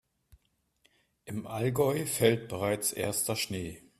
Im Allgäu fällt bereits erster Schnee.